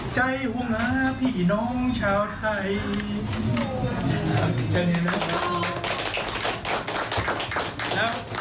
ใจหัวหาพี่น้องชาวไทย